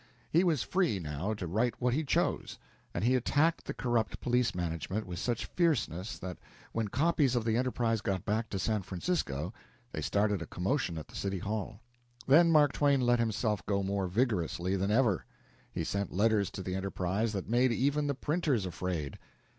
He was free, now, to write what he chose, and he attacked the corrupt police management with such fierceness that, when copies of the "Enterprise" got back to San Francisco, they started a commotion at the city hall. Then Mark Twain let himself go more vigorously than ever. He sent letters to the "Enterprise" that made even the printers afraid.